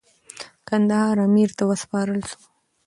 کندهار امیر ته وسپارل سو.